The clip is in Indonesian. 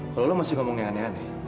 kalau lo masih ngomong yang aneh aneh